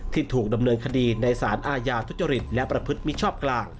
ถูกดำเนินคดีในสารอาญาทุจริตและประพฤติมิชชอบกลาง